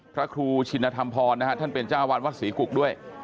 พระครูชินธรรมพรนะฮะท่านเป็นเจ้าวัดวัดศรีกุกด้วย